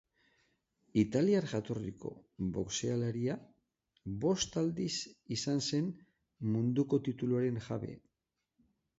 Italiar jatorriko boxeolaria bost aldiz izan zen munduko tituluaren jabe.